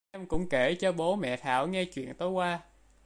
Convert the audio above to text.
mẹ em cũng Kể cho bố mẹ Thảo nghe chuyện tối qua